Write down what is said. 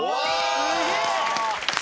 すげえ！